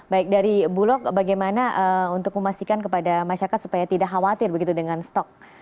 baik dari bulog bagaimana untuk memastikan kepada masyarakat supaya tidak khawatir begitu dengan stok